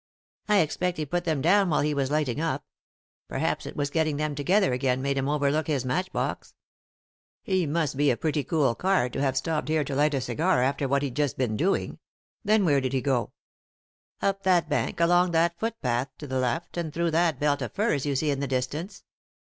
"I expect he put them down while he was light ing up. Perhaps it was getting them together again made him overlook bis matchbox." "He must be a pretty cool card to have stopped here to light a cigar after what he'd just been doing. Then where did he go ?" "Up that bank, along that footpath to the left, and through that belt of firs you see in the distance.